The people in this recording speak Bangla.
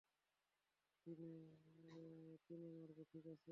তিনে মারব, ঠিক আছে?